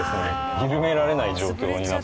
緩められない状況になってます。